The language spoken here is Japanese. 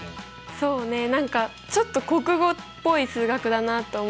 そうね何かちょっと国語っぽい数学だなって思ったのと。